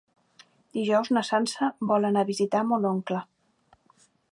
Dijous na Sança vol anar a visitar mon oncle.